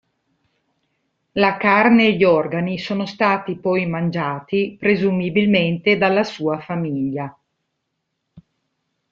La carne e gli organi sono stati poi stati mangiati, presumibilmente dalla sua famiglia.